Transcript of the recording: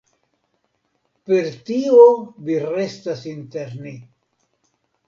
Per tio vi restas inter ni".